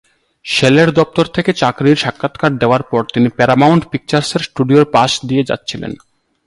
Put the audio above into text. শেলের দপ্তর থেকে চাকরির সাক্ষাৎকার দেওয়ার পর তিনি প্যারামাউন্ট পিকচার্সের স্টুডিওর পাশ দিয়ে যাচ্ছিলেন।